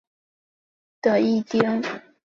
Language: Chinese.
一宫町是千叶县长生郡的一町。